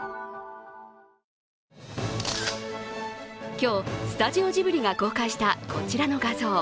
今日、スタジオジブリが公開したこちらの画像。